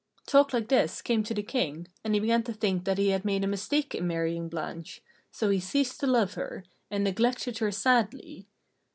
Talk like this came to the King, and he began to think that he had made a mistake in marrying Blanche, so he ceased to love her, and neglected her sadly.